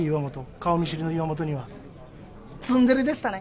顔見知りの岩本には、ツンデレでしたね。